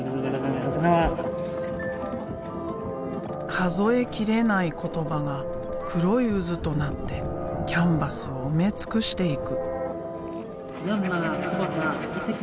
数えきれない言葉が黒い渦となってキャンバスを埋め尽くしていく。